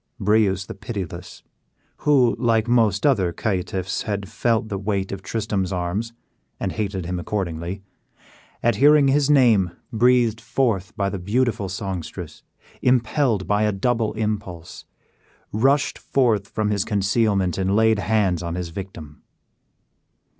Breuse the Pitiless, who like most other caitiffs had felt the weight of Tristram's arm, and hated him accordingly, at hearing his name breathed forth by the beautiful songstress, impelled by a double impulse, rushed forth from his concealment and laid hands on his victim.